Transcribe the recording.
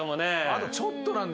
あとちょっとなんですよ。